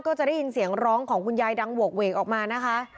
ก็จะได้ยินเสียงร้องของคุณยายดังโหกเวกออกมานะคะ